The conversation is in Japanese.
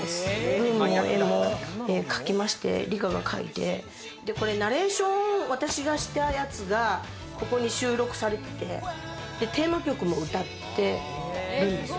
文も絵も梨香がかいて、ナレーション、私がしたやつがここに収録されてて、テーマ曲も歌ってるんです。